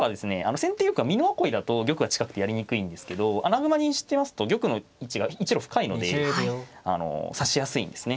先手玉が美濃囲いだと玉が近くてやりにくいんですけど穴熊にしてますと玉の位置が一路深いので指しやすいんですね。